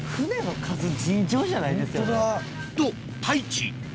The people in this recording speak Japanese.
と太一